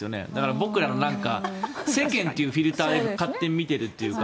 僕らの世間というフィルターで勝手に見てるというか。